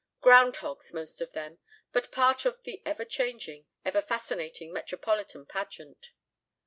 Ground hogs, most of them, but part of the ever changing, ever fascinating, metropolitan pageant.